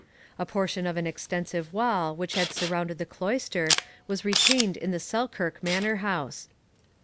A portion of an extensive wall which had surrounded the cloister was retained in the Selkirk manor house.